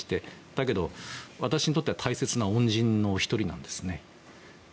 だけど、私にとっては大切な恩人の１人なんですね。